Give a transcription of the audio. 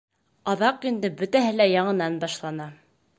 Аҙаҡ инде бөтәһе лә яңынан башлана.